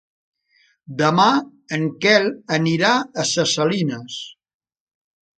Demà en Quel anirà a Ses Salines.